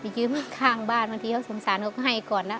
ยืมข้างบ้านบางทีเขาสงสารเขาก็ให้ก่อนแล้ว